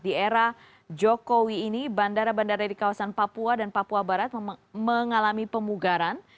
di era jokowi ini bandara bandara di kawasan papua dan papua barat mengalami pemugaran